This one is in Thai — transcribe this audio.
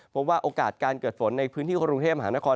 โอกาสการเกิดฝนในพื้นที่กรุงเทพมหานคร